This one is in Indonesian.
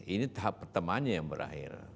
ini tahap pertamanya yang berakhir